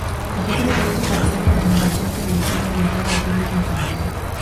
Capítulo piloto para serie de animación televisiva orientada ao público infantil.